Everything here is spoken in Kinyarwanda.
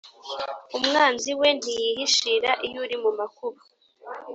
umwanzi we ntiyihishira iyo uri mu makuba